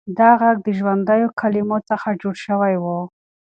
دا غږ د ژوندیو کلمو څخه جوړ شوی و.